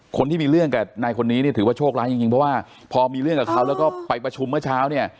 คนที่มีเรื่องกับนายคนนี้เนี่ยถือว่าโชคร้ายจริงเพราะว่าพอมีเรื่องกับเขาแล้วก็ไปประชุมเมื่อเช้าเนี่ย